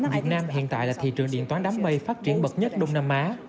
việt nam hiện tại là thị trường điện toán đám mây phát triển bậc nhất đông nam á